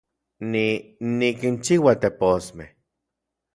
Ni, nikinchiua teposmej